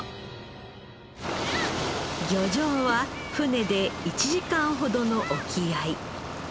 漁場は船で１時間ほどの沖合